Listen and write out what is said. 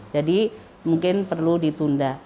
jadi mungkin perlu ditunda